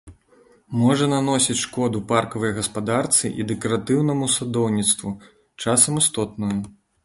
Можа наносіць шкоду паркавай гаспадарцы і дэкаратыўнаму садоўніцтву, часам істотную.